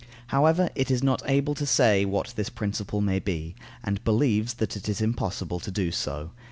However, it is not able to say what this principle may be, and believes that it is impossible to do so.